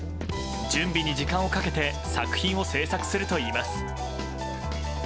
準備に時間をかけて作品を制作するといいます。